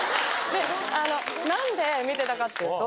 何で見てたかっていうと。